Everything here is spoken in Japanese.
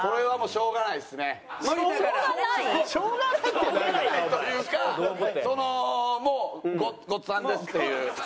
しょうがないというかそのもうごっつぁんですっていう。